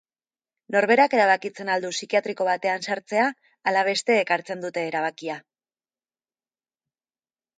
Norberak erabakitzen al du psikiatriko batean sartzea ala besteek hartzen dute erabakia?